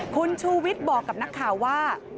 คุณชูวิทย์บอกกับนักข่าวว่า